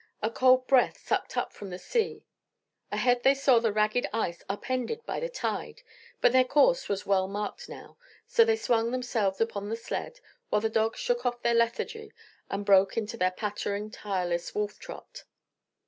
A cold breath sucked up from the sea; ahead they saw the ragged ice up ended by the tide, but their course was well marked now, so they swung themselves upon the sled, while the dogs shook off their lethargy and broke into their pattering, tireless wolf trot.